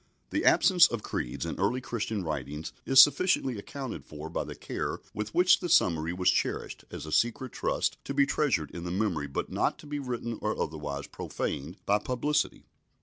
The absence of creeds in early Christian writings is sufficiently accounted for by the care with which the summary was cherished as a secret trust, to be treasured in the memory but not to be written or otherwise profaned by publicity.